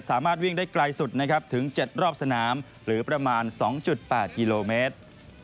สามารถวิ่งได้ไกลสุดนะครับถึง๗รอบสนามหรือประมาณ๒๘กิโลเมตร